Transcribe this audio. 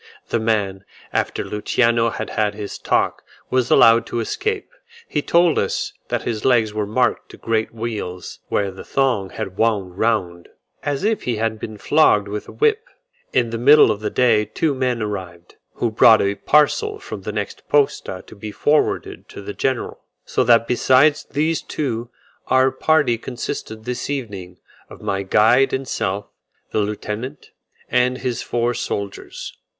The man, after Luciano had had his talk, was allowed to escape. He told us that his legs were marked by great weals, where the thong had wound round, as if he had been flogged with a whip. In the middle of the day two men arrived, who brought a parcel from the next posta to be forwarded to the general: so that besides these two, our party consisted this evening of my guide and self, the lieutenant, and his four soldiers.